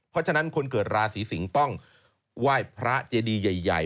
เพราะฉะนั้นคนเกิดราศีสิงศ์ต้องไหว้พระเจดีใหญ่